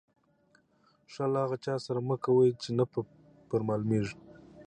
ښه له هغه چا سره مه کوئ، چي نه پر معلومېږي.